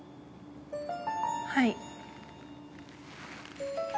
はい。